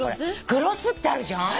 グロスってあるじゃん。